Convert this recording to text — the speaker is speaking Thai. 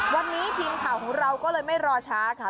วันนี้ทีมข่าวของเราก็เลยไม่รอช้าค่ะ